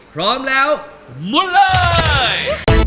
พร้อมแล้วมุนเลย